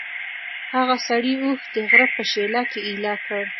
هغه سړي اوښ د غره په شېله کې ایله کړ.